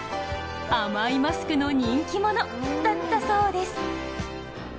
甘いマスクの人気者だったそうです。